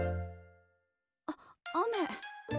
あっ雨。